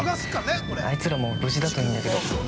あいつらも無事だといいんだけど。